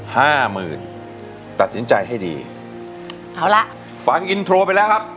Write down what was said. ห้าหมื่นตัดสินใจให้ดีเอาล่ะฟังอินโทรไปแล้วครับ